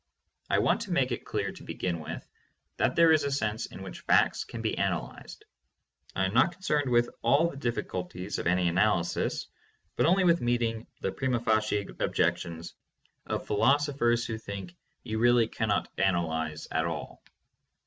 I want to make it clear, to begin with, that there is a sense in which facts can be analyzed. I am not concerned with all the difficulties of any analysis, but only with meeting the prima facie objections of philosophers who think you really can not analyze at all.